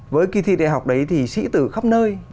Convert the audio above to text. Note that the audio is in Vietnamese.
với kỳ thi đại học đấy thì sĩ từ khắp nơi